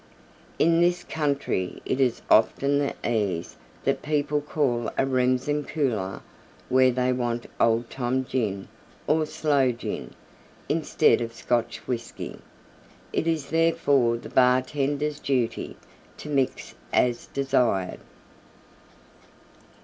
In this country it is often the ease that people call a Remsen Cooler where they want Old Tom Gin or Sloe Gin instead of Scotch Whiskey. It is therefore the bartender's duty to mix as desired.